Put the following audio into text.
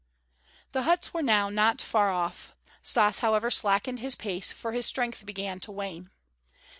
The huts were now not far off. Stas, however, slackened his pace for his strength began to wane.